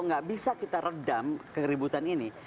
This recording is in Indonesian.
nggak bisa kita redam keributan ini